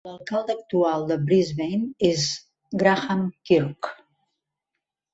L'alcalde actual de Brisbane és Graham Quirk.